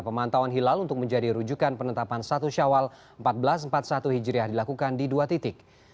pemantauan hilal untuk menjadi rujukan penetapan satu syawal seribu empat ratus empat puluh satu hijriah dilakukan di dua titik